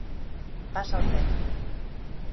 Pasa o tempo.